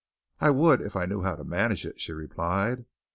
"I would, if I knew how to manage it," she replied.